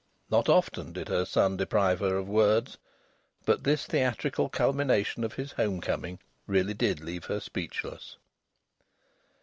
Not often did her son deprive her of words, but this theatrical culmination of his home coming really did leave her speechless.